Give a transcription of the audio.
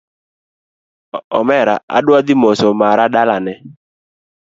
Omera adwa dhi moso mara dalane